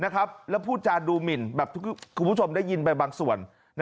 แล้วพูดจานดูหมินแบบที่คุณผู้ชมได้ยินไปบางส่วน